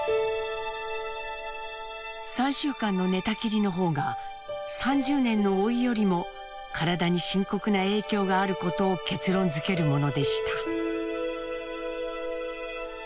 ３週間の寝たきりの方が３０年の老いよりも体に深刻な影響があることを結論づけるものでした。